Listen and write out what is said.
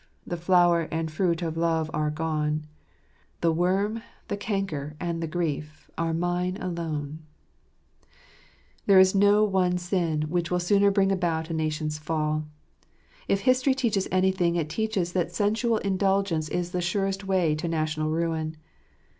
The flower and fruit of love are gone : The worm, the canker, and the grief, Are mine alone 1 " There is no one sin which will sooner bring about a nation's fall. If history teaches anything, it teaches that sensual indulgence is the surest way to national ruin.